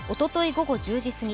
午後１０時すぎ